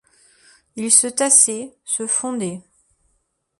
Il se tassait, se fondait.